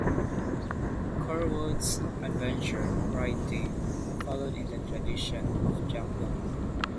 Curwood's adventure writing followed in the tradition of Jack London.